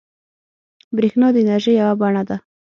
برېښنا د انرژۍ یوه بڼه ده.